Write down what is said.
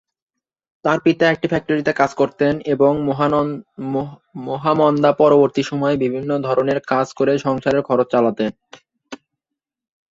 তার পিতা একটি ফ্যাক্টরিতে কাজ করতেন এবং মহামন্দা পরবর্তী সময়ে বিভিন্ন ধরনের কাজ করে সংসারের খরচ চালাতেন।